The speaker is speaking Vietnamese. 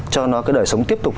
cho nó cái đời sống tiếp tục